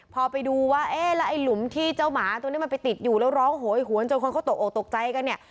พอไปดูว่าเอ๊ะแล้วไอ้หลุมที่เจ้าหมาตัวนี้มันไปติดอยู่แล้วร้องโหยหวนจนคนเขาตกออกตกใจกันเนี่ย